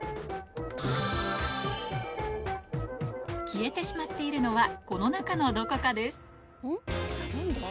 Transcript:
消えてしまっているのはこの中のどこかです何だ？